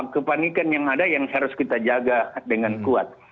kepanikan yang ada yang harus kita jaga dengan kuat